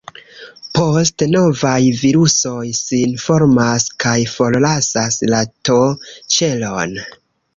Poste novaj virusoj sin formas kaj forlasas la T-ĉelon.